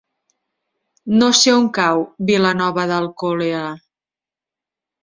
No sé on cau Vilanova d'Alcolea.